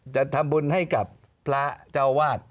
จะทำบุญให้กับพระเจ้าวาด